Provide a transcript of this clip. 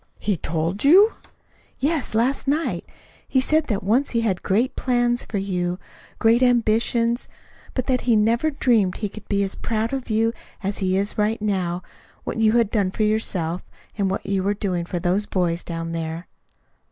"He TOLD you!" "Yes last night. He said that once he had great plans for you, great ambitions, but that he never dreamed he could be as proud of you as he is right now what you had done for yourself, and what you were doing for those boys down there."